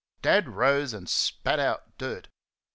Dad rose and spat out dirt.